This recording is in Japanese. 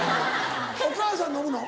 お母さん飲むの？